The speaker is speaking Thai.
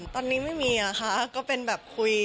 ตอนนี้ไม่มีค่ะก็เป็นแบบคุย